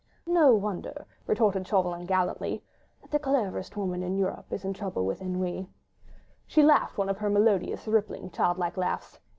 "No wonder," retorted Chauvelin, gallantly, "that the cleverest woman in Europe is troubled with ennui." She laughed one of her melodious, rippling, childlike laughs.